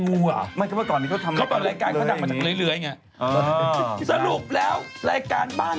ภูมิพอร์นคุณเอิ๊ก